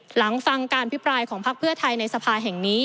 หลังฟังการพิปรายของพักเพื่อไทยในสภาแห่งนี้